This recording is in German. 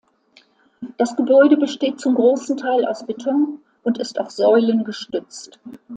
Das Gebäude besteht zum großen Teil aus Beton und ist auf Säulen gestützt.